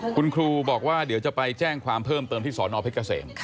คุณครูบอกว่าเดี๋ยวจะไปแจ้งความเพิ่มเติมที่สอนอเพชรเกษม